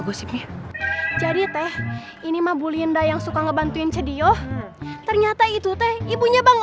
gosipnya jadi teh ini mabu linda yang suka ngebantuin cediyoh ternyata itu teh ibunya bang